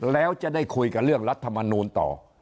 แล้วจะได้คุยกับเรื่องรัฐมนูลต่อ